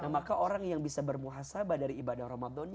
maka orang yang bisa bermuhasabah dari ibadah ramadan